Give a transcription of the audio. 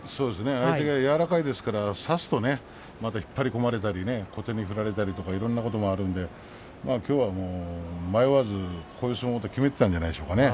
相手が柔らかいですから差すとまた引っ張り込まれたり小手に振られたりいろんなことがあるのできょうは迷わずこういう相撲と決めていたんじゃないですかね。